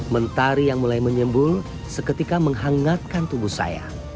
mentari yang mulai menyembul seketika menghangatkan tubuh saya